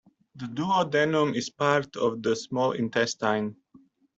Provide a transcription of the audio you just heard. The Duodenum is part of the small intestine.